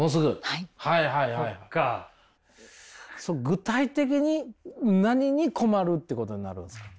具体的に何に困るっていうことになるんですか？